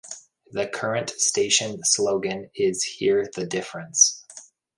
The current station slogan is "Hear the Difference".